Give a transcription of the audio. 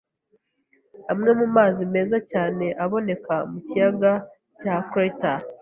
Amwe mu mazi meza cyane aboneka mu kiyaga cya Crater.